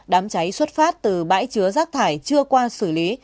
đám cháy xuất phát từ bãi chứa rác thải chưa qua xử lý